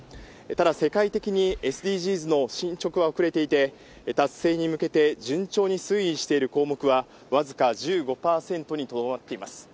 ただ、世界的にＳＤＧｓの進捗は遅れていて、達成に向けて順調に推移している項目は僅か１５％にとどまっています。